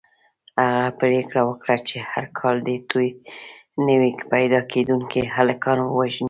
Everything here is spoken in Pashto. هغه پرېکړه وکړه چې هر کال دې نوي پیدا کېدونکي هلکان ووژني.